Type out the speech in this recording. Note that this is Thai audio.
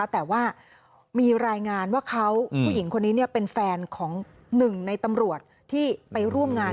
แต่ว่ามีรายงานว่าเขาผู้หญิงคนนี้เป็นแฟนของหนึ่งในตำรวจที่ไปร่วมงาน